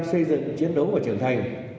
xây dựng chiến đấu của trường thành